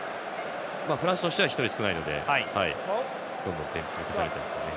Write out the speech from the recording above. フランスとしては１人少ないのでどんどん点数を取りたいですね。